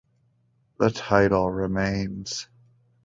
The title remains.